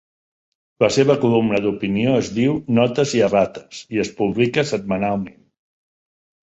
La seva columna d'opinió es diu "Notes i errates" i es publica setmanalment.